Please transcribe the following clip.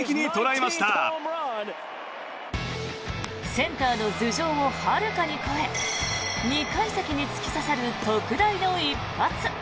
センターの頭上をはるかに超え２階席に突き刺さる特大の一発。